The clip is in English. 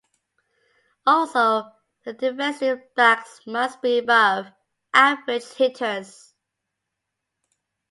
Also, the defensive backs must be above average hitters.